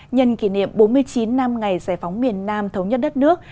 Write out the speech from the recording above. nhân kỷ niệm bốn mươi chín năm ngày giải phóng miền nam thống nhất đất nước